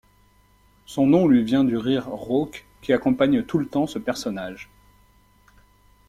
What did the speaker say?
Son nom lui vient du rire rauque qui accompagne tout le temps ce personnage.